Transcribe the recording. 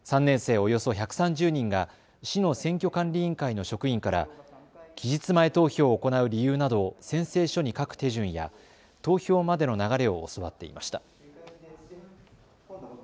およそ１３０人が市の選挙管理委員会の職員から期日前投票を行う理由などを宣誓書に書く手順や投票までの流れを教わっていました。